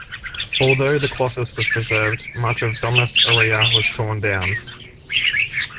Although the Colossus was preserved, much of the Domus Aurea was torn down.